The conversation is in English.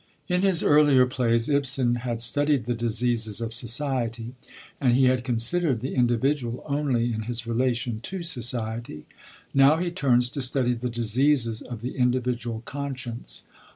In his earlier plays Ibsen had studied the diseases of society, and he had considered the individual only in his relation to society. Now he turns to study the diseases of the individual conscience.